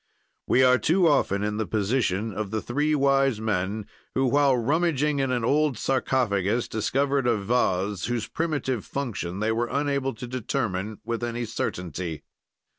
"We are too often in the position of the three wise men who, while rummaging in an old sarcophagus, discovered a vase whose primitive function they were unable to determine with any certainty.